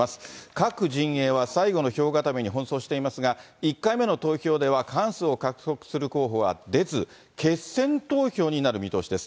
各陣営は最後の票固めに奔走していますが、１回目の投票では過半数を獲得する候補は出ず、決選投票になる見通しです。